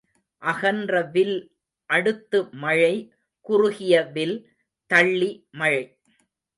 அகன்ற வில் அடுத்து மழை குறுகிய வில் தள்ளி மழை.